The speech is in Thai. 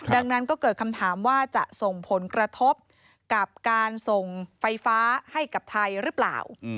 ดังนั้นก็เกิดคำถามว่าจะส่งผลกระทบกับการส่งไฟฟ้าให้กับไทยหรือเปล่า